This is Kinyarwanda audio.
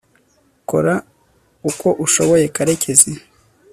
kora uko ushoboye, karekezi